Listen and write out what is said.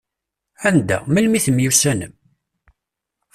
Anda, melmi temyussanem?